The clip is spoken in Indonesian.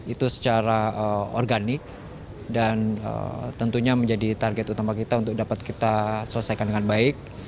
itu secara organik dan tentunya menjadi target utama kita untuk dapat kita selesaikan dengan baik